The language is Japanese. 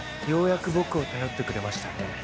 ようやく僕を頼ってくれましたね。